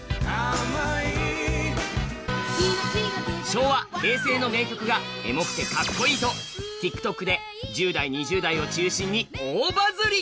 昭和、平成の名曲がエモくてかっこいいとＴｉｋＴｏｋで１０代、２０代を中心に大バズり。